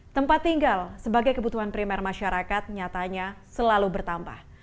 tempat tinggal sebagai kebutuhan primer masyarakat nyatanya selalu bertambah